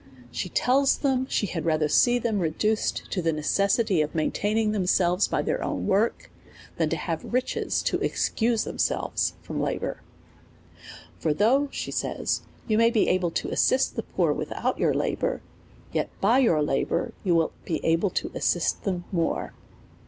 She tells them, she had rather see them reduced to tlie necessity of maintaining themselves by their own work, than to have riches to excuse themselves from labour. For though, says she, you may be able to assist the poor without your labour, yet by your la bour you will be able to assist them more.